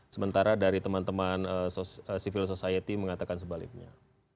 sementara dari teman teman civil society mengatakan sebaliknya